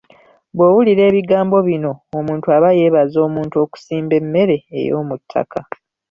"Bw’owulira ebigambo bino, omuntu aba yeebaza omuntu okusimba emmere ey’omuttaka."